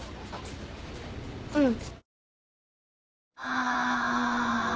うん。